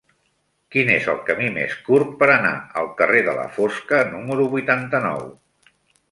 Quin és el camí més curt per anar al carrer de la Fosca número vuitanta-nou?